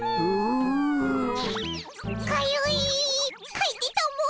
かいてたも！